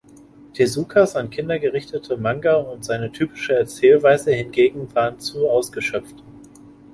Tezukas an Kinder gerichtete Manga und seine typische Erzählweise hingegen waren zu ausgeschöpft.